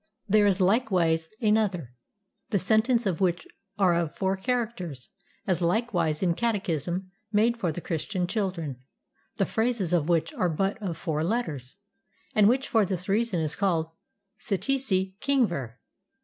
There is likewise another, the sentences of which are of four characters; as likewise a catechism made for the Christian children, the phrases of which are but of four letters, and which for this reason is called "Ssee tsee king ver."